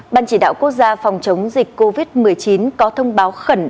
ban chỉ đạo quốc gia phòng chống dịch covid một mươi chín có thông báo khẩn